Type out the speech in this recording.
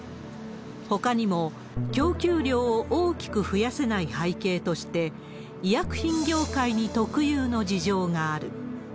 ほかにも、供給量を大きく増やせない背景として、医薬品業界に特有の事情がある。